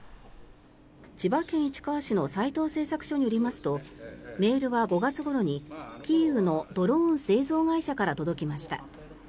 千葉県市川市の斎藤製作所によりますとメールは５月ごろにキーウのドローン製造会社から届きました。